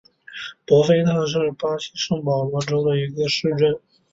博费特是巴西圣保罗州的一个市镇。